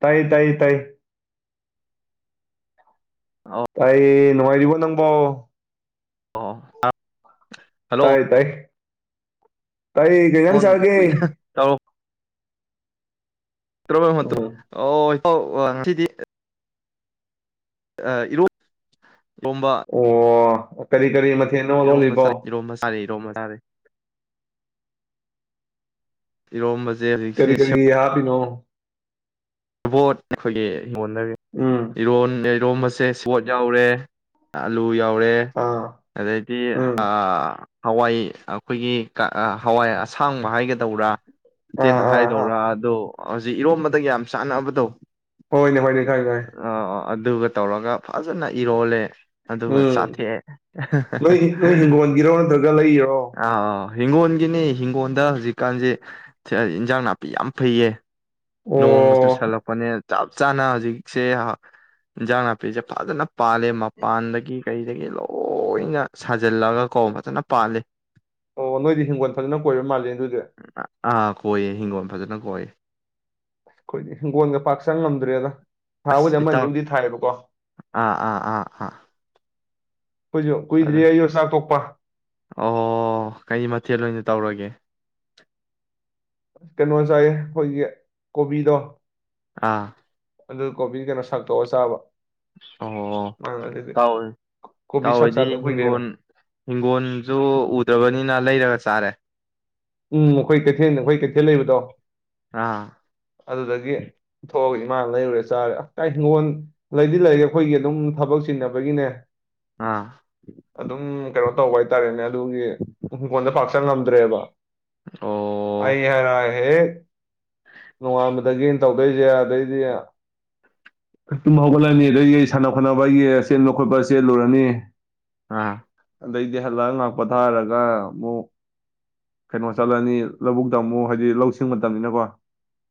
ꯇꯥꯏ ꯇꯥꯏ ꯇꯥꯏ ꯇꯥꯏꯌꯦ ꯅꯨꯡꯉꯥꯏꯔꯤꯕꯔꯤꯕꯣ ꯅꯪꯕꯣ ꯑꯣ ꯑ ꯇꯥꯏ ꯇꯥꯏ ꯇꯥꯏ ꯀꯩꯅꯩꯅꯪ ꯐꯣꯟ ꯆꯒꯦ ꯀꯨꯏꯅ [unintelligible] ꯎꯝ ꯑꯣ ꯑꯧ ꯑ ꯁꯤꯗꯤ ꯑ ꯏꯔ ꯑꯦꯔꯣꯝꯕ ꯑꯣ ꯀꯔꯤ ꯀꯔꯤ ꯃꯊꯦꯜꯅꯣ ꯣꯝ ꯂꯣꯜꯂꯤꯕꯣ ꯃꯆꯥꯥ ꯔꯣꯝ ꯃꯁꯥꯔꯦ ꯔꯣꯝ ꯃꯁꯥꯔꯦ ꯏꯔꯣꯝꯕꯁ ꯀꯔꯤ ꯀꯔꯤ ꯍꯥ ꯄꯅꯣ [inaudible] ꯕꯣꯠ ꯑꯩꯈꯣꯏꯒꯤ ꯎꯝ ꯏ [unintelligible] ꯏꯣꯝꯕꯁꯦ ꯁꯣꯠ ꯌꯥꯎꯔꯦ ꯑꯥꯂꯨ ꯌꯥꯎꯔꯦ ꯑꯥ ꯑꯗꯨꯗꯤ ꯎꯝ ꯑ ꯍꯋꯥꯏ ꯑꯩꯈꯣꯏꯒꯤ ꯍꯋꯥꯏ ꯑꯁꯥꯡꯕ ꯍꯥꯏꯒꯗ꯭ꯔꯥ ꯇꯧꯔꯥ ꯇꯦꯟ ꯑꯥ ꯑꯥ ꯑꯥ ꯃꯈꯗꯧꯔ ꯑꯗꯣ ꯍꯧꯖꯤꯛ ꯏꯔꯣꯝꯕꯗꯒꯤ ꯌꯥꯝ ꯁꯥꯟꯅꯕ ꯇꯧ ꯍꯣꯏꯅꯦ ꯍꯣꯏꯅꯦ ꯈꯪꯉꯦ ꯈꯪꯉꯦ ꯑ ꯑ ꯑꯗꯨꯒ ꯇꯧ ꯇꯧꯔꯒ ꯐꯖꯅ ꯏꯔꯣꯜꯂꯦ ꯑꯗꯨꯒ ꯎꯝ ꯁꯥꯊꯦ ꯅꯣꯏ ꯅꯣꯏ ꯍꯤꯡꯒꯣꯜꯒꯤꯔꯣ ꯅꯠꯇ꯭ꯔꯒ ꯂꯩꯔꯤꯔꯣ ꯑ ꯍꯤꯡꯒꯣꯜꯒꯤꯅꯦ ꯍꯤꯡꯒꯣꯜꯗ ꯍꯧꯖꯤꯛꯀꯥꯟꯁꯦ ꯏꯟꯖꯥꯡ ꯅꯥꯄꯤ ꯌꯥꯝ ꯐꯩꯌꯦ ꯅꯣꯡꯃ ꯑꯣ ꯆꯨꯁꯜꯂꯛꯄꯅꯦ ꯆꯞ ꯆꯥꯅ ꯍꯧꯖꯤꯛꯁꯦ ꯏꯟꯖꯥꯡ ꯅꯥꯄꯤꯁꯦ ꯐꯖꯅ ꯄꯥꯜꯂꯦ ꯃꯄꯥꯟꯗꯒꯤ ꯀꯩꯗꯒꯤ ꯂꯣꯏꯅ ꯁꯥꯖꯤꯜꯂꯒ ꯀꯥꯎ ꯐꯖꯅ ꯄꯥꯜꯂꯤ ꯑꯣ ꯅꯣꯏꯗꯤ ꯍꯤꯡꯒꯣꯜ ꯊꯖꯅ ꯀꯣꯏꯕ ꯃꯥꯜꯂꯦ ꯑꯗꯨꯗꯤ ꯑꯥ ꯀꯣꯏꯌꯦ ꯍꯤꯡꯒꯣꯜ ꯐꯖꯅ ꯀꯣꯏꯌꯦ ꯑꯩꯈꯣꯏꯗꯤ ꯍꯤꯡꯒꯣꯜꯒ ꯄꯥꯛ ꯆꯪ ꯉꯝꯗ꯭ꯔꯦꯗ ꯑꯁ ꯊꯥꯕꯨꯗꯤ ꯑꯃ ꯏꯇꯥꯎ ꯑꯅꯤꯕꯨꯗꯤ ꯊꯥꯏꯌꯦꯕꯀꯣ ꯑꯥ ꯑꯥ ꯑꯥ ꯑꯥ ꯑꯩꯈꯣꯏꯁꯨ ꯀꯨꯏꯗ꯭ꯔꯤ ꯑꯗꯨ ꯑꯩ ꯌꯣ ꯆꯥꯛ ꯇꯣꯛꯄ [inaudible] ꯑꯣ ꯀꯩ ꯃꯊꯦꯜ ꯑꯣꯏꯅ ꯇꯧꯔꯒꯦ ꯑ ꯀꯩꯅꯣ ꯆꯥꯏꯌꯦ ꯑꯩꯈꯣꯏꯒꯤ ꯀꯣꯕꯤꯗꯣ ꯑꯥ ꯑꯗꯨ ꯀꯣꯕꯤ ꯀꯩꯅꯣ ꯁꯛꯇꯣꯛꯑ ꯆꯥꯕ ꯑꯣ ꯃꯥꯅ ꯑꯗꯨꯗꯤ ꯇꯥꯎꯋꯦ ꯀꯣꯕꯤ ꯁꯥꯛ ꯇꯥꯎꯋꯦꯗꯤ ꯆꯥꯗ ꯀꯨꯏꯔꯦꯅ ꯍꯤꯡꯒꯣꯜ ꯍꯤꯡꯒꯣꯜꯁꯨ ꯎꯗ꯭ꯔꯕꯅꯤꯅ ꯂꯩꯔꯒꯁ ꯆꯔꯦ ꯎꯝ ꯑꯩꯈꯣꯏ ꯀꯩꯊꯦꯜ ꯑꯩꯈꯣꯏ ꯀꯩꯊꯦꯜ ꯂꯩꯕꯗꯣ ꯑꯥ ꯑꯗꯨꯗꯒꯤ ꯊꯣꯛꯍꯧꯏ ꯃꯥ ꯂꯩꯔꯨꯔꯦ ꯆꯥꯔꯦ ꯑ ꯍꯤꯡꯒꯣꯜ ꯂꯩꯗꯤ ꯂꯩꯔ ꯑꯩꯈꯣꯏꯒꯤ ꯑꯗꯨꯝ ꯊꯕꯛ ꯆꯤꯟꯅꯕꯒꯤꯅꯦ ꯑꯥ ꯑꯗꯨ ꯑꯗꯨꯝ ꯀꯩꯅꯣ ꯇꯧꯕ ꯍꯥꯏꯇꯥꯔꯦꯅꯦ ꯑꯗꯨꯒꯤ ꯍꯪꯈꯣꯟꯜꯗ ꯄꯥꯛ ꯆꯡꯕ ꯉꯝꯗ꯭ꯔꯦꯕ ꯑꯣ ꯑꯩ ꯍꯥꯏꯔꯍꯦ [inaudible] ꯅꯣꯡꯉꯥꯟꯕꯗꯒ ꯇꯧꯗꯣꯏꯁꯦ ꯑꯗꯩꯗꯤ ꯇꯨꯝ ꯍꯧꯒꯠꯂꯅꯤ ꯑꯗꯩ ꯁꯥꯟꯅ ꯈꯣꯠꯅꯕꯒꯤ ꯆꯦꯟꯕ ꯈꯣꯠꯄ ꯆꯦꯜꯂꯨꯔꯅꯤ ꯑꯥ ꯑꯗꯩꯗꯤ ꯍꯜꯂꯟ ꯉꯥꯛꯄ ꯊꯥꯔꯒ ꯑꯃꯨꯛ ꯀꯩꯅꯣ ꯆꯠꯂꯅꯤ ꯂꯧꯕꯨꯛ ꯇꯝꯃꯨ ꯍꯥꯏꯗꯤ ꯂꯧ ꯁꯤꯡ ꯃꯇꯝꯅꯤꯅꯤꯅꯀꯣ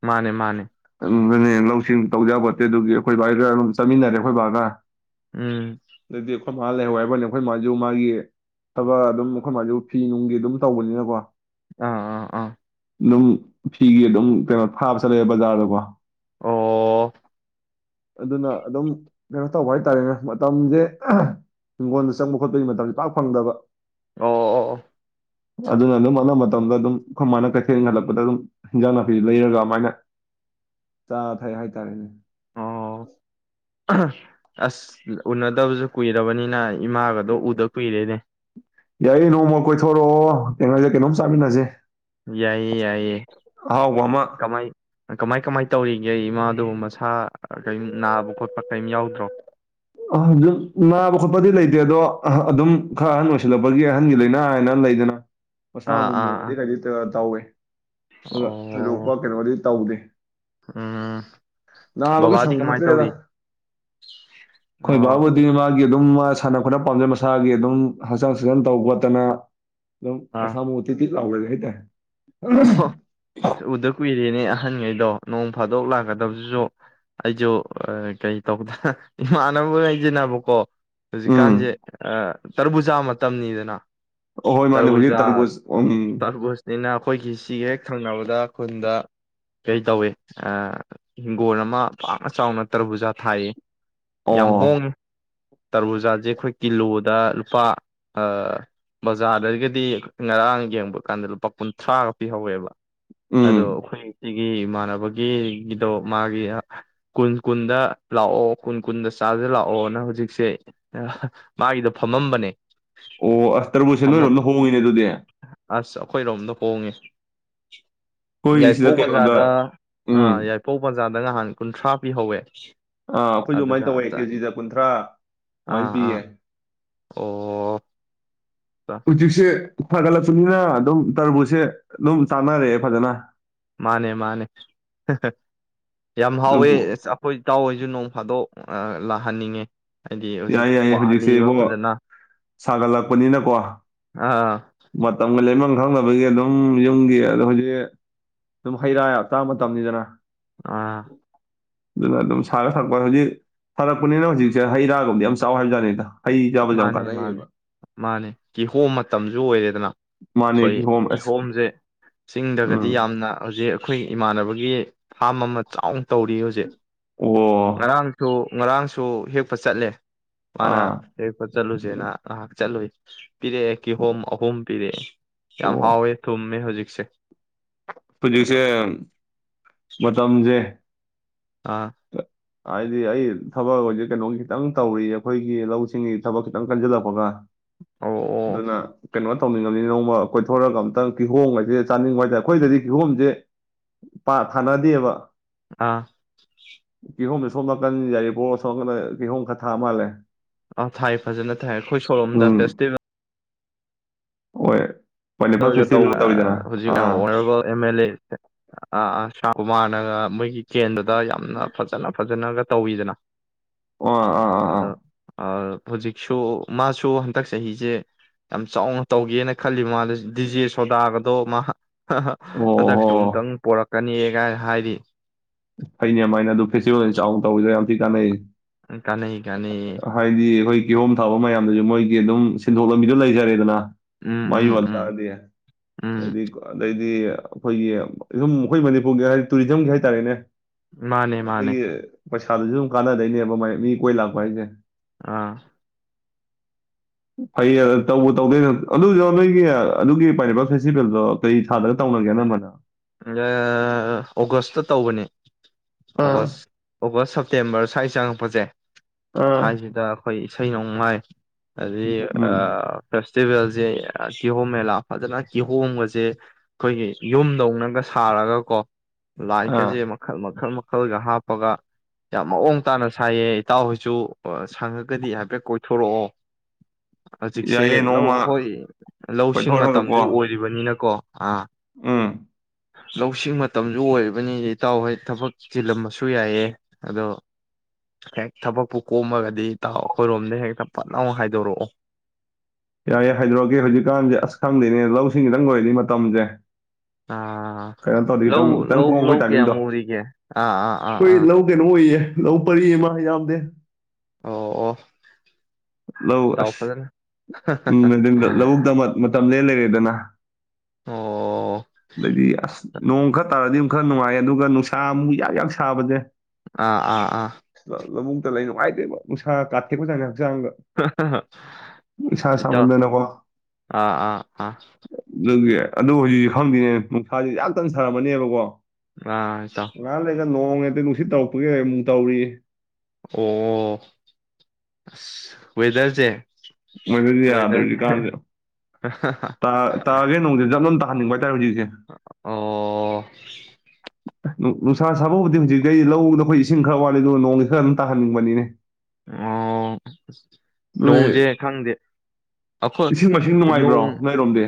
ꯃꯥꯅꯦ ꯃꯥꯅꯦ ꯂꯧꯁꯤꯡ ꯇꯧꯖꯕ ꯈꯣꯠꯇꯦ ꯑꯗꯨꯒꯤ ꯑꯩꯈꯣꯏ ꯕꯥꯏꯒ ꯑꯗꯨꯝ ꯆꯠꯃꯤꯟꯅꯔꯦ ꯑꯩꯈꯣꯏ ꯕꯥꯒ ꯎꯝ ꯑꯗꯩꯗꯤ ꯑꯩꯈꯣꯏ ꯃꯥ ꯂꯩꯍꯧ ꯍꯥꯏꯕꯅꯤ ꯑꯩꯈꯣꯏ ꯃꯥꯁꯨ ꯃꯥꯒꯤ ꯊꯕꯛ ꯑꯗꯨꯝ ꯑꯩꯈꯣꯏ ꯃꯥꯁꯨ ꯐꯤ ꯅꯨꯡꯒꯤ ꯑꯗꯨꯝ ꯇꯧꯕꯅꯤꯅꯀꯣ ꯑꯥ ꯑꯥ ꯑꯥ ꯑꯗꯨꯝ ꯐꯤꯒꯤ ꯑꯗꯨꯝ ꯀꯩꯅꯣ ꯊꯥꯕ ꯆꯠꯂꯦ ꯕꯖꯥꯔꯗꯀꯣ ꯑꯣ ꯑꯣ ꯑꯗꯨꯅ ꯑꯗꯨꯝ ꯀꯩꯅꯣ ꯇꯧꯕ ꯍꯥꯏꯇꯥꯔꯦꯅꯦ ꯃꯇꯝꯁꯦ ꯍꯤꯡꯒꯣꯜꯗ ꯆꯪꯕ ꯈꯣꯠꯄꯒꯤ ꯃꯇꯝꯁꯦ ꯄꯥꯛ ꯐꯪꯗꯕ ꯑꯣ ꯑꯣ ꯑꯆꯥ ꯑꯗꯨ ꯅ ꯅꯕ ꯃꯇꯝꯗ ꯑꯗꯨꯝ ꯈꯨ ꯃꯥꯅ ꯀꯩꯊꯦꯜ ꯏ ꯍꯜꯂꯛꯄꯗ ꯑꯗꯨꯝ ꯍꯤꯟꯖꯥꯡ ꯅꯥꯄꯤ ꯂꯩꯔꯒ ꯑꯗꯨꯃꯥꯏꯅ ꯆꯥ ꯊꯛ ꯍꯥꯏꯇꯥꯔꯦꯅꯦ ꯑꯣ ꯑꯁ ꯎꯅꯗꯕꯁꯨ ꯀꯨꯏꯔꯕꯅꯤꯅ ꯏꯃꯥꯒꯗꯣ ꯎꯗ ꯀꯨꯏꯔꯦꯅꯦ ꯌꯥꯏꯌꯦ ꯅꯣꯡꯃ ꯀꯣꯏꯊꯣꯔꯛꯑꯣ ꯀꯩꯅꯉꯣꯁꯦ ꯀꯩꯅꯣꯝ ꯆꯥꯃꯤꯟꯅꯁꯦ ꯌꯥꯏꯌꯦ ꯌꯥꯏꯌꯦ ꯑꯍꯥꯎꯕ ꯑꯃ ꯀꯃꯥꯏ ꯀꯃꯥꯏ ꯀꯃꯥꯏ ꯇꯧꯔꯤꯒꯦ ꯑꯩ ꯏꯃꯥꯗꯨ ꯃꯁꯥ ꯀꯔꯤꯝ ꯅꯥꯕ ꯈꯣꯠꯄ ꯀꯔꯤꯝ ꯌꯥꯎꯗ꯭ꯔꯣ ꯝ ꯅꯥꯕ ꯈꯣꯠꯄꯗꯤ ꯂꯩꯇꯦ ꯑꯗꯣ ꯑꯗꯨꯝ ꯈꯔ ꯑꯍꯟ ꯑꯣꯏꯁꯤꯜꯂꯛꯄꯒꯤ ꯑꯍꯟꯒꯤ ꯂꯥꯏꯅꯥ ꯍꯥꯏꯅ ꯂꯩꯗꯅ ꯃꯁꯥ ꯑꯥ ꯑꯥ ꯑꯃꯃꯨꯗꯤ ꯑꯥ ꯇꯧꯋꯦ [unintelligible] ꯊꯔꯄꯥ ꯑꯣ ꯀꯩꯅ ꯋꯥꯔꯤꯗꯤ ꯇꯧꯗꯦ ꯎꯝ ꯕꯒ ꯕꯕꯥꯗꯤ ꯀꯃꯥꯏ ꯁꯒꯣꯠꯇ꯭ꯔꯦꯗ ꯇꯧꯔꯤ ꯑꯣ ꯑꯩꯣꯏꯕꯥꯕꯕꯨꯙ ꯃꯥ ꯃꯥꯒꯤ ꯑꯗꯨꯝ ꯃꯥ ꯁꯥꯟꯅ ꯈꯣꯠꯅꯕ ꯄꯥꯝꯖꯩ ꯃꯁꯥꯒꯤ ꯑꯗꯨꯝ ꯍꯛꯆꯥꯡ ꯁꯛꯆꯥꯡ ꯇꯧ ꯈꯣꯠꯇꯅ ꯅ ꯑꯥ ꯃꯁꯥꯃꯣꯇꯗꯤ ꯂꯥꯎꯗ ꯍꯥꯏ ꯇ ꯑꯣ ꯎꯗ ꯀ ꯏꯦꯅꯦ ꯑꯍꯟꯈꯩꯗꯣ ꯅꯣꯡ ꯐꯥꯗꯣꯛ ꯂꯥꯛꯀꯗꯕꯗꯨꯁꯨ ꯑꯩꯁꯨ ꯀꯩ ꯇꯧꯗ ꯏꯃꯥꯟꯅꯕ ꯉꯩꯁꯤꯅꯕꯀꯣ ꯍꯧꯖꯤꯛꯀꯥꯟꯁꯦ ꯎꯝ ꯇꯔꯕꯨꯖꯥ ꯃꯇꯝꯅꯤꯗꯅ ꯑꯍꯣꯏ ꯃꯥꯅꯦ ꯍꯧꯖꯤꯛ ꯇꯔꯕꯨꯖꯥ ꯇꯔꯕꯨꯖ ꯎꯝ ꯇꯔꯕꯨꯁꯅꯤꯅ ꯑꯩꯒꯤ ꯁꯤꯒ ꯍꯦꯛ ꯊꯪꯅꯕꯗ ꯈꯨꯟꯗ ꯀꯩ ꯇꯧꯏ ꯏꯤꯡꯒꯣꯣꯟ ꯑꯃ ꯄꯥꯛꯅ ꯆꯥꯎꯅ ꯇꯔꯕꯨꯖꯥ ꯊꯥꯏꯌꯦ ꯌꯥꯝ ꯑꯣ ꯍꯣꯡꯉꯦ ꯇꯔꯨꯖꯥꯁꯦ ꯑꯩꯈꯣꯏ ꯀꯤꯂꯣꯗ ꯂꯨꯄꯥ ꯕꯖꯥꯔꯗꯒꯤꯗꯤ ꯉꯔꯥꯡ ꯌꯦꯡꯕ ꯀꯥꯟꯗ ꯂꯨꯄꯥ ꯀꯨꯟ ꯊꯥꯒ ꯄꯤꯍꯧꯋꯦꯕ ꯑꯗꯣ ꯎꯝ ꯑꯩꯈꯣꯏ ꯁꯤꯒꯤ ꯏꯃꯥꯟꯅꯕꯒꯤ ꯒꯤꯗꯣ ꯃꯥꯒꯤ ꯀꯨꯟ ꯀꯨꯟꯗ ꯂꯥꯛꯑꯣ ꯀꯨꯟ ꯀꯨꯟꯗ ꯆꯥꯖ ꯂꯥꯛꯑꯣꯅ ꯍꯧꯖꯤꯛꯁꯦ ꯃꯥꯒꯤꯗꯣ ꯐꯝꯃꯝꯕꯅꯦ ꯑꯣ ꯑꯁ ꯇꯔꯕꯨꯁꯦ ꯂꯣꯏꯔꯣꯝꯗ ꯐꯝꯃꯝ ꯍꯣꯡꯉꯤꯅꯦ ꯑꯗꯨꯗꯤ ꯍꯉ ꯑꯩꯈꯣꯏ ꯁꯤꯗ ꯌꯥꯏꯐꯧ ꯀꯩꯅꯣꯗ ꯕꯖꯥꯔꯗ ꯎꯝ ꯑꯥ ꯌꯥꯏꯄꯧ ꯕꯖꯥꯔꯗ ꯉꯥꯏꯍꯥꯡ ꯀꯨꯟꯊ꯭ꯔꯥ ꯄꯤ ꯍꯧꯋꯦ ꯑꯥ ꯑꯩꯈꯣꯏꯁꯨ ꯑꯗꯨꯃꯥꯏꯅ ꯇꯧꯋꯦ ꯀꯦꯖꯤꯗ ꯀꯨꯟꯊ꯭ꯔꯥ ꯑꯗꯨꯃꯥꯏꯅ ꯑꯥ ꯄꯤꯌꯦ ꯑꯣ ꯍꯨꯖꯤꯛꯁꯦ ꯐꯒꯠꯂꯛꯄꯅꯤꯅ ꯑꯗꯨꯝ ꯇꯔꯕꯨꯁꯁꯦ ꯑꯗꯨꯝ ꯆꯥꯟꯅꯔꯛꯑꯦ ꯐꯖꯅ ꯃꯥꯅꯦ ꯃꯥꯅꯦ ꯌꯥꯝ ꯑꯗꯨꯝ ꯍꯥꯎꯋꯦ ꯑꯩꯈꯣꯏ ꯇꯥꯎꯍꯩꯁꯨ ꯅꯣꯡ ꯐꯥꯗꯣꯛ ꯂꯥꯛꯍꯟꯅꯤꯡꯉꯤ ꯌꯥꯏ ꯌꯥꯏꯌꯦ ꯍꯧꯖꯤꯛꯁꯦꯕꯣ ꯁꯥꯒꯠꯂꯛꯄꯅꯤꯅꯀꯣ ꯑꯥ ꯃꯇꯝꯒ ꯂꯦꯟꯕꯝ ꯈꯪꯅꯕꯒꯤ ꯑꯗꯨꯝ ꯌꯨꯝꯒꯤ ꯑꯗꯣ ꯍꯧꯖꯤꯛ ꯑꯗꯨꯝ ꯍꯩ ꯔꯥ ꯌꯥꯝ ꯆꯥꯕ ꯃꯇꯝꯅꯤꯗꯅ ꯑꯥ ꯑꯗꯨꯅ ꯑꯗꯨꯝ ꯁꯥꯔ ꯊꯛꯄꯗꯗꯤ ꯐꯔꯛꯄꯅꯤꯅꯥ ꯍꯧꯖꯤꯛꯁꯦ ꯍꯩ ꯔꯥ ꯌꯥꯝ ꯆꯥꯎ ꯍꯥꯏꯕꯖꯥꯅꯤꯗ ꯃꯥꯅꯦ ꯃꯥꯅꯦ ꯃꯥꯅꯦ ꯀꯤꯍꯣꯝ ꯃꯇꯝꯁꯨ ꯑꯣꯏꯔꯦꯗꯅ ꯃꯥꯅꯦ ꯑꯩꯈꯣꯏ ꯀꯤꯍꯣꯝ ꯑꯁ ꯀꯤꯍꯣꯝꯁꯦ ꯆꯤꯡꯗꯒꯗꯤ ꯎꯝ ꯌꯥꯝꯅ ꯍꯧꯖꯤꯛ ꯑꯩꯈꯣꯏ ꯏꯃꯥꯟꯅꯕꯒꯤ ꯐꯥꯔꯝ ꯑꯃ ꯆꯥꯎꯅ ꯇꯧꯔꯤ ꯍꯧꯖꯤꯛ ꯑꯣ ꯉꯔꯥꯡꯁꯨ ꯉꯔꯥꯡꯁꯨ ꯍꯦꯛꯄ ꯆꯠꯂꯦ ꯃꯥꯅ ꯑꯥ ꯆꯠꯂꯨꯁꯦꯅ ꯉꯥꯍꯥꯛ ꯆꯠꯂꯨꯏ ꯄꯤꯔꯛꯑꯦ ꯀꯤꯍꯣꯝ ꯑꯍꯨꯝ ꯄꯤꯔꯛꯑꯦ ꯌꯥꯝ ꯍꯥꯎꯋꯦ ꯊꯨꯨꯝꯃꯦ ꯍꯧꯖꯤꯛ [unintelligible] ꯄꯨꯂꯤꯁꯁꯦ ꯌꯥꯝ ꯃꯇꯝꯖꯦ ꯑꯥ ꯍꯥꯏꯗꯤ ꯑꯩ ꯊꯕꯛ ꯍꯧꯖꯤꯛ ꯀꯩꯅꯣ ꯈꯤꯇꯪ ꯇꯧꯔꯤ ꯑꯩꯈꯣꯏꯒꯤ ꯂꯧꯁꯤꯡꯒꯤ ꯊꯕꯛ ꯈꯤꯇꯪ ꯀꯟꯖꯤꯜꯂꯛꯄꯒ ꯑꯣ ꯑꯣ ꯑꯗꯨꯅ ꯀꯩꯅꯣ ꯇꯧꯅꯤꯡꯉꯕꯅꯤ ꯅꯣꯡꯃ ꯀꯣꯏꯊꯣꯔꯒ ꯑꯝꯇꯪ ꯀꯤꯍꯣꯡꯒ ꯍꯥꯏꯁꯦ ꯆꯥꯅꯤꯡꯕ ꯍꯥꯏꯇꯥꯄ ꯑꯩꯈꯣꯏꯗꯗꯤ ꯀꯤꯍꯣꯝꯁꯦ ꯄꯥꯛ ꯊꯥꯅꯗꯦꯕ ꯑꯥ ꯀꯤꯍꯣꯝꯁꯦ ꯁꯣꯝ ꯅꯥꯀꯟ ꯌꯥꯔꯤꯄꯣꯛ ꯁꯣꯝꯅ ꯀꯤꯍꯣꯝ ꯈꯔ ꯊꯥ ꯃꯥꯜꯂꯦ ꯑ ꯊꯥꯏ ꯐꯖꯅ ꯊꯥꯏ ꯑꯩꯈꯣꯏ ꯁꯣꯔꯣꯝꯗ ꯐꯦꯁꯇꯤꯚꯦꯜ ꯑꯣꯏ ꯇꯧꯕ ꯍꯧꯖꯤꯛ ꯑꯣꯅꯦꯕꯜ ꯑꯦꯝ ꯑꯦꯜ ꯑꯦ ꯑꯥ ꯑꯥ ꯁꯥ ꯃꯥꯟꯅꯅꯥ ꯃꯣꯏꯒꯤ ꯀꯦꯟꯗ ꯗ ꯌꯥꯝꯅ ꯐꯖꯅ ꯐꯖꯅꯒ ꯇꯧꯋꯤꯗꯅ ꯑꯣ ꯑꯥ ꯑꯥ ꯑꯥ ꯑꯗ ꯑ ꯍꯧꯖꯤꯛꯁꯨ ꯃꯥꯁꯨ ꯍꯟꯗꯛ ꯆꯍꯤꯁꯦ ꯌꯥꯝ ꯆꯥꯎꯅ ꯇꯧꯒꯦꯅ ꯈꯜꯂꯤ ꯃꯥ ꯗꯤꯖꯦ ꯁꯣꯗꯥꯒꯗꯣ ꯃꯥ ꯑꯣ ꯍꯣ ꯍꯟꯗꯛꯁꯨ ꯑꯃꯨꯛꯇꯪ ꯄꯣꯔꯛ ꯀꯅꯤꯑꯒꯥꯏ ꯍꯥꯏꯔꯤ ꯐꯩꯅ ꯑꯗꯨꯃꯥꯏꯅ ꯑꯗꯨ ꯐꯦꯁꯇꯤꯚꯦꯜ ꯆꯥꯎꯅ ꯇꯧꯋꯤꯗ ꯌꯥꯝ ꯊꯤ ꯀꯥꯟꯅꯩ ꯀꯥꯟꯅꯩ ꯀꯥꯟꯅꯩ ꯍꯥꯏꯗꯤ ꯑꯩꯈꯣꯏ ꯀꯤꯍꯣꯝ ꯊꯥꯕ ꯃꯌꯥꯝꯗꯨꯁꯨ ꯃꯣꯏꯗꯤ ꯑꯗꯨꯝ ꯁꯤꯟꯊꯣꯛ ꯂꯝꯕꯤꯗꯨꯣ ꯂꯩꯖꯔꯦꯗꯅ ꯎꯝ ꯃꯩ ꯎꯝ ꯎꯝ ꯎꯝ ꯋꯥꯇꯥꯗꯤꯩꯗꯤ ꯑꯗꯩꯗꯤ ꯑꯩꯈꯣꯏꯒꯤ ꯁꯝ ꯑꯩꯈꯣꯏ ꯃꯅꯤꯄꯨꯔꯒꯤ ꯍꯥꯏꯗꯤ ꯇꯨꯔꯤꯖꯝꯒꯤ ꯍꯥꯏꯇꯥꯔꯦꯅꯦ ꯃꯥꯅꯦ ꯃꯥꯅꯦ ꯑꯩꯈꯣꯏꯒꯤ ꯄꯩꯁꯥꯗꯨꯁꯨ ꯑꯗꯨꯝ ꯀꯥꯟꯅꯗꯣꯏꯅꯦꯕꯥꯏ ꯃꯤ ꯀꯣꯏ ꯂꯥꯛꯄ ꯍꯥꯏꯁꯦ ꯑꯥ ꯐꯩꯌꯦ ꯇꯧꯕ ꯇꯧꯗꯣꯏ ꯑꯗꯨꯁꯨ ꯅꯣꯏꯒꯤ ꯑꯗꯨꯒꯤ ꯄꯥꯏꯔꯤꯕ ꯐꯦꯁꯇꯤꯚꯦꯜꯗꯣ ꯀꯩ ꯁꯥꯗꯒ ꯇꯧꯅꯒꯦꯅꯝꯕꯅ ꯑ ꯑꯣꯒꯁꯇ ꯇꯧꯕꯅꯦ [unintelligible] ꯑꯣꯕ ꯑꯥ ꯑꯣꯕ ꯁ ꯁꯦꯞꯇꯦꯝꯔ ꯁ꯭ꯋꯥꯏ ꯆꯪꯉꯄꯁꯦ ꯑꯥ ꯆꯥꯏꯁꯤꯗꯈꯣꯏ ꯏꯁꯩ ꯅꯣꯡꯃꯥꯏ ꯑꯗꯨꯗꯤ ꯑ ꯎꯝ ꯐꯁ ꯐꯦꯁꯇꯤꯚꯦꯜꯁꯦ ꯀꯤꯍꯣꯝ ꯃꯦꯂꯥ ꯐꯖꯅ ꯀꯤꯍꯣꯝꯕꯁꯦ ꯑꯩꯈꯣꯏꯒꯤ ꯌꯨꯝꯗꯧꯅ ꯒ ꯁꯥꯔꯒ ꯀꯣ ꯂꯥꯏ ꯑꯥ ꯀꯁꯦ ꯃꯈꯜ ꯃꯈꯜ ꯃ ꯃꯈꯜꯒ ꯍꯥꯞꯄꯒ ꯌꯥꯝ ꯃꯑꯣꯡ ꯇꯥꯅ ꯁꯥꯏꯑ ꯏꯇꯥꯎꯍꯣꯏꯁꯨ ꯁꯪꯉꯒꯗꯤ ꯍꯥꯏꯐꯦꯠ ꯀꯣꯏꯊꯣꯔꯛꯑꯣ ꯌꯥꯏꯌꯦ ꯍꯧꯖꯤꯛꯁꯦ ꯅꯣꯡꯃ ꯂꯧ ꯍꯣꯏ ꯂꯧꯁꯤꯡ ꯃꯇꯝꯁꯨ ꯀꯣꯏꯊꯣꯔꯒꯀꯣ ꯑꯣꯏꯔꯤꯕꯅꯤꯅꯀꯣ ꯑꯥ ꯎꯝ ꯂꯧꯁꯤꯡ ꯃꯇꯝꯁꯨ ꯑꯣꯏꯔꯤꯕꯅꯤ ꯏꯇꯥꯎ ꯍꯩ ꯊꯕꯛ ꯆꯤꯜꯂꯝꯃꯁꯨ ꯌꯥꯏꯑ ꯑꯗꯣ ꯍꯦꯛ ꯊꯕꯛꯄꯨ ꯀꯣꯝꯃꯒꯗꯤ ꯏꯇꯥꯎ ꯑꯩꯈꯣꯏꯔꯣꯝꯗ ꯍꯦꯛꯇ ꯐꯅ ꯑꯃ ꯍꯥꯏꯗꯣꯔꯛꯑꯣ ꯌꯥꯏ ꯍꯥꯏꯗꯣꯔꯛꯑꯀꯦ ꯍꯧꯖꯤꯛꯀꯥꯟꯁꯦ ꯑꯁ ꯈꯪꯗꯦꯅꯦ ꯂꯧꯁꯤꯡꯁꯤꯗꯪ ꯂꯣꯏꯔꯅꯤ ꯃꯇꯝꯁꯦ ꯑ ꯑ ꯀꯩꯅꯣ ꯇꯧꯔꯗꯤ ꯂꯧ ꯈꯤꯇꯪ ꯈꯤꯇꯪ ꯂꯧ ꯀꯣꯝꯃꯛꯄꯩ ꯂꯧ ꯀꯦ ꯇꯥꯏꯃꯤꯡꯗꯣ ꯃꯔꯤ ꯀꯦ ꯑꯥ ꯑꯥ ꯑꯥ ꯑꯩꯈꯣꯏ ꯑꯥ ꯂꯧ ꯀꯩꯅꯣ ꯑꯣꯏꯌꯦ ꯂꯧ ꯄꯔꯤꯑꯃꯥ ꯌꯥꯝꯗꯦ ꯑꯣ ꯑꯣ ꯂꯧ ꯏꯇꯥꯎ ꯑꯁ ꯐꯖꯅ ꯎꯝ ꯂꯧꯕꯨꯛꯇ ꯃꯇꯝ ꯂ ꯂꯩ ꯂꯩꯗꯅ ꯑꯣ ꯑꯗꯩꯗꯤ ꯑꯁ ꯅꯣꯡ ꯈꯔ ꯇꯥꯔꯗꯤ ꯈꯔ ꯅꯨꯡꯉꯥꯏꯌꯦ ꯑꯗꯨꯒ ꯅꯨꯡꯁꯥ ꯑꯃꯨꯛ ꯌꯥꯛ ꯌꯥꯛ ꯁꯥꯕꯁꯦ ꯑꯥ ꯑꯥ ꯑꯥ ꯂꯃꯨꯛꯇ ꯂꯩ ꯅꯨꯡꯉꯥꯏꯇꯦꯕ ꯅꯨꯡꯁꯥ ꯀꯥꯠꯊꯦꯀꯖꯥꯅ ꯄꯩꯁꯥ ꯏꯇꯥꯎ ꯁꯃꯅꯅꯀꯣ ꯑꯥ ꯑꯥ ꯑꯥ ꯂ ꯑꯗꯨ ꯍꯧꯖꯤꯛ ꯈꯪꯗꯅꯦ ꯅꯨꯡꯁꯥꯁꯦ ꯌꯥꯝ ꯇꯟ ꯁꯥꯔꯝꯃꯅꯦꯕꯀꯣ ꯑꯥ ꯆ ꯅꯣꯡꯉꯦ ꯑꯗ ꯅꯨꯡꯁꯤꯠ ꯇꯧꯔꯛꯄꯒꯤ ꯑꯃꯨꯛ ꯇꯧꯔꯤ ꯑꯣ ꯑ ꯋꯦꯗꯔꯁꯦ ꯃꯣꯏꯗꯨꯁꯨ ꯌꯥꯗꯣꯔꯤꯁꯤ ꯋꯦꯗꯔꯁꯦ ꯀꯥꯟꯁꯤꯗ ꯇꯥꯒꯦ ꯅꯅꯨꯡꯗꯤ ꯆꯠꯂꯣꯝ ꯇ [inaudible] ꯒꯦ ꯑꯣ ꯅꯨꯡꯁꯥ ꯁꯥꯕꯕꯨꯗꯤ ꯍꯧꯖꯤꯛꯇꯇꯩꯤ ꯂꯧꯗ ꯑꯩꯈꯣꯏ ꯏꯁꯤꯡ ꯈꯔ ꯋꯥꯠꯂꯤ ꯑꯗꯨꯅ ꯅꯣꯡꯒꯤ ꯈꯔ ꯑꯗꯨꯝ ꯇꯥꯍꯟꯅꯤꯡꯕꯅꯤꯅꯦ ꯑꯣ ꯅꯣꯏ ꯅꯣꯡꯁꯦ ꯈꯪꯗꯦ ꯑꯩꯈꯣꯏ ꯏꯁꯤꯡ ꯃꯥꯏꯁꯤꯡ ꯅꯨꯡꯉꯥꯏꯕ꯭ꯔꯣ ꯅꯣꯡ ꯅꯣꯏꯔꯣꯝꯗꯤ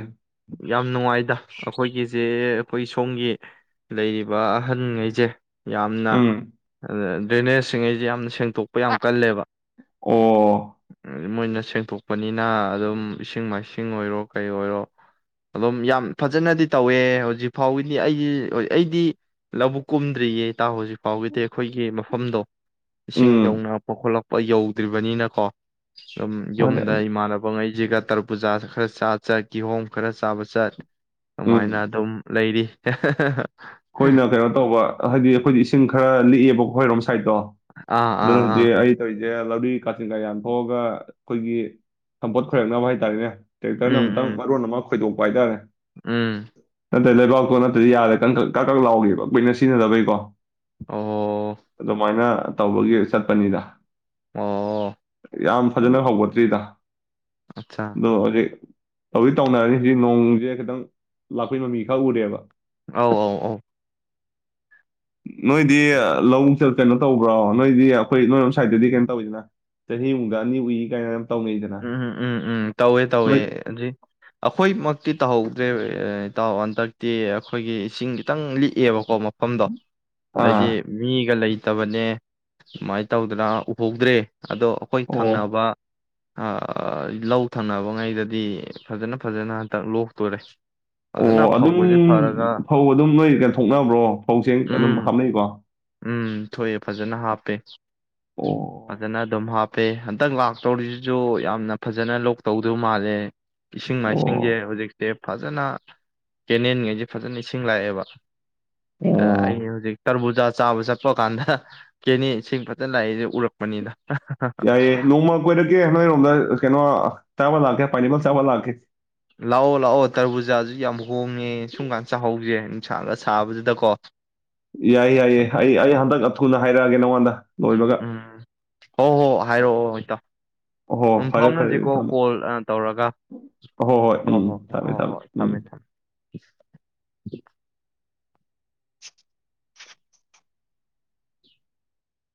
ꯌꯥꯝ ꯅꯨꯡꯉꯥꯏꯗ ꯑꯩꯈꯣꯏꯒꯤꯁꯦ ꯑꯩꯈꯣꯏ ꯁꯣꯝꯒꯤ ꯂꯩꯔꯤꯕ ꯑꯍꯟꯉꯩꯁꯦ ꯌꯥꯝꯅ ꯎꯝ ꯑꯗꯨꯗ ꯗ꯭ꯔꯦꯅꯦꯖꯁꯤꯡꯩꯁꯦ ꯌꯥꯝꯅ ꯁꯦꯡꯗꯣꯛꯄ ꯑꯣ ꯃꯣꯏꯅ ꯁꯦꯡꯇꯣꯛꯄꯅꯤꯅ ꯑꯗꯨꯝ ꯏꯁꯤꯡ ꯃꯥꯏꯁꯤꯡ ꯑꯣꯏꯔꯣ ꯀꯩ ꯑꯣꯏꯔꯣ ꯑꯗꯨꯝ ꯌꯥꯝ ꯐꯖꯅꯗꯤ ꯇꯧꯋꯦ ꯍꯧꯖꯤꯛꯐꯥꯎꯒꯤꯗꯤ ꯑꯩꯗꯤ ꯑꯩꯗꯤ ꯂꯧꯕꯨꯛ ꯀꯨꯝꯗ꯭ꯔꯤꯌꯦ ꯇꯥꯣ ꯍꯧꯖꯤꯛꯐꯥꯎ ꯄꯥꯎꯒꯤꯗꯤ ꯑꯩꯈꯣꯏꯒꯤ ꯃꯐꯝꯗ ꯏꯁꯤꯡ ꯎꯝ ꯌꯧꯅ ꯊꯣꯛꯂꯛꯄ ꯌꯧꯗ꯭ꯔꯤꯕꯅꯤꯅꯀꯣ ꯁꯨꯝ ꯃꯥꯅꯦ ꯌꯨꯝꯗ ꯏꯃꯥꯟꯅꯕ ꯉꯩ ꯖꯤꯒ ꯇꯔ ꯄꯨꯨꯖꯥ ꯈꯔ ꯆ ꯆꯠ ꯀꯤꯍꯣꯝ ꯈꯔ ꯆꯥꯕ ꯆꯠ ꯑꯧꯃꯥꯏꯅ ꯑꯗꯨꯝ ꯂꯩꯔꯤ ꯍ ꯈꯣꯏꯅ ꯀꯩꯅꯣ ꯇꯧꯕ ꯍꯥꯏꯗꯤ ꯑꯈꯣꯏꯗꯤ ꯏꯁꯤꯡ ꯈꯔ ꯂꯤꯛꯑꯦꯕ ꯑꯈꯣꯢꯔꯣꯝ ꯁꯥ ꯥꯁꯥꯏꯠꯇꯣ ꯑꯥ ꯑꯗꯨ ꯑꯥ ꯍꯧꯖꯤ ꯑꯥ ꯑꯩ ꯇꯧꯔꯤꯖꯦ ꯂꯧꯔꯤ ꯀꯥꯠ ꯁꯤꯡꯒ ꯌꯥꯟ ꯊꯣꯛꯑꯒ ꯑꯈꯣꯏꯒꯤ ꯁꯝꯄꯣꯠ ꯈꯣꯏꯔꯛꯅꯕ ꯍꯥꯏꯇꯥꯔꯦꯅꯦ ꯇꯇꯔ ꯑꯝ ꯎꯝ ꯃꯥ ꯎꯝ ꯃꯔ ꯅꯅꯃ ꯈꯣꯏꯗꯣꯛꯄ ꯍꯥꯏꯇꯥꯔꯦ ꯎꯝ ꯅꯠꯇ꯭ꯔ ꯂꯩꯕꯥꯛꯄꯇꯣ ꯅꯠꯇꯗꯤ ꯌꯥꯗꯦ ꯀꯟ ꯈꯠ ꯀꯛ ꯀꯛ ꯂꯥꯎꯒꯤꯕ ꯀꯨꯏꯅ ꯁꯤꯖꯤꯟꯅꯗꯕꯩꯀꯣ ꯑꯣ ꯑꯗꯨꯃꯥꯏꯅ ꯇꯧꯕꯒꯤ ꯆꯠꯄꯅꯤꯗ ꯑꯣ ꯌꯥꯝ ꯐꯖꯅ ꯍꯧꯒꯠꯇ꯭ꯔꯤꯗ ꯑꯠꯆꯥ [unintelligible] ꯇꯧꯗꯤ ꯇꯧꯅꯔꯤꯅꯤ ꯅꯣꯡꯖꯦ ꯈꯤꯇꯪ ꯂꯥꯛꯄꯩ ꯃꯃꯤ ꯈ ꯎꯔꯦꯕ ꯑꯧ ꯑꯧ ꯑꯧ ꯅꯣꯏꯗꯤ ꯂꯧ ꯀꯩꯅꯣ ꯇꯧꯕ꯭ꯔꯣ ꯅꯣꯏꯗꯤ ꯑꯩꯈꯣꯏ ꯅꯣꯏꯔꯣꯝ ꯁꯥꯏꯗꯠꯇꯗꯤ ꯀꯩꯅꯣ ꯇꯧꯋꯤꯗꯅ ꯆꯍꯤꯃꯨꯛꯒ ꯑꯅꯤ ꯎꯨꯏ ꯀꯥꯏꯅ ꯎꯝ ꯇꯧꯅꯩꯗꯅ ꯎꯝ ꯎꯝ ꯎꯝ ꯇꯧꯋꯦ ꯇꯧꯋꯦ ꯅꯣꯏ ꯑꯗꯨꯏ ꯑꯈꯣꯏꯃꯛꯇꯤ ꯇꯧꯍꯧꯗ꯭ꯔꯦ ꯏꯇꯥꯎ ꯍꯟꯇꯛꯇꯤ ꯑꯈꯣꯏꯒꯤ ꯏꯁꯤꯡ ꯈꯤꯇꯪ ꯂꯤꯛꯑꯦꯕꯀꯣ ꯃꯐꯝꯗꯣ ꯑꯗꯩꯗꯤ ꯑꯥ ꯃꯤꯒ ꯂꯩ ꯇꯕꯅꯦ ꯃꯥꯏ ꯇꯧꯗꯅ ꯎꯍꯧꯗ꯭ꯔꯦ ꯑꯗꯣ ꯑꯈꯣꯏ ꯑꯣ ꯊꯪꯅꯕ ꯂꯧ ꯊꯪꯅꯕꯉꯩꯗꯗꯤ ꯐꯖꯅ ꯐꯖꯅ ꯍꯟꯇꯛ ꯂꯣꯛꯇꯣꯔꯦ ꯐꯖꯅ ꯑꯣ ꯑꯗꯨꯝ ꯐꯧꯒꯁꯦ ꯐꯔꯒ ꯐꯧ ꯑꯗꯨꯝ ꯅꯣꯏ ꯀ ꯊꯣꯛꯅꯕ꯭ꯔꯣ ꯐꯧꯁꯦ ꯑꯗꯨꯝ ꯎꯝ ꯍꯥꯞꯅꯩꯀꯣ ꯎꯝ ꯊꯣꯛꯑꯦ ꯐꯖꯅ ꯍꯥꯞꯄꯦ ꯑꯗꯨꯗꯅ ꯑꯗꯨꯝ ꯍꯥ ꯇꯦ ꯍꯟꯇꯛ ꯂꯥꯛꯇꯧꯔꯤꯖꯤꯖꯨ ꯌꯥꯝꯅ ꯐꯖꯅ ꯂꯣꯛ ꯇꯧꯗꯧ ꯃꯥꯜꯂꯦ ꯏꯁꯤꯡ ꯑꯣ ꯃꯥꯏꯁꯤꯡꯖꯦ ꯍꯨꯖꯤꯛ ꯇꯦ꯫ ꯐꯖꯅ ꯀꯦꯅꯦꯜꯉꯩꯁꯦ ꯐꯖꯅ ꯏꯁꯤꯡ ꯂꯥꯛꯑꯦꯕ ꯑ ꯑꯣ ꯑꯩ ꯍꯨꯖꯤꯛ ꯇꯔꯕꯨꯖꯥ ꯆꯥꯕ ꯆꯠꯄ ꯀꯥꯟꯗ ꯆꯦꯅꯤ ꯏꯁꯤꯡ ꯐꯖꯅ ꯂꯥꯛꯏꯁꯦ ꯎꯔꯛꯄꯅꯤꯗ ꯌꯥꯏꯌꯦ ꯅꯣꯡꯃ ꯀꯣꯏꯗ ꯀꯦꯅꯣ ꯀꯩꯅꯣ ꯇꯥꯕꯜ ꯂꯥꯛ ꯀꯦ ꯄꯕꯜ ꯆꯕ ꯂꯥꯛ ꯂꯥꯛꯑꯣ ꯂꯥꯛꯑꯣ ꯇꯔꯕꯨꯖꯥꯁꯨ ꯌꯥꯝ ꯍꯣꯡꯉꯦ ꯁꯨꯝ ꯀꯥꯟ ꯆꯥꯍꯧꯁꯦ ꯅꯨꯡꯁꯥꯡꯒ ꯁꯥꯕꯖꯤꯗꯀꯣ ꯌꯥꯏꯌꯦ ꯌꯥꯏꯌꯦ ꯍꯥꯏꯏꯌꯦ ꯑꯌꯦ ꯍꯟꯗꯛ ꯊꯨꯅ ꯍꯥꯏꯔꯛꯑꯒꯦ ꯅꯉꯣꯟꯗ ꯂꯣꯏꯕꯒ ꯎꯝ ꯍꯣꯏ ꯍꯣꯏ ꯍꯥꯏꯔꯛꯑꯣ ꯇꯥꯎ ꯍꯣ ꯎꯝ ꯐꯔꯦ ꯐꯔꯦ ꯐꯥꯎꯅꯁꯤꯀꯣ ꯊꯝꯃꯦ ꯀꯣꯜ ꯇꯧꯔꯒ ꯍꯣ ꯍꯣꯏ ꯎꯝ ꯍꯣꯏ ꯍꯣꯏ ꯊꯝꯃꯦ ꯍꯣꯏ ꯍꯣꯏ ꯎꯝ ꯊꯝꯃꯦ ꯊꯝꯃꯦ [unintelligible] [unintelligible]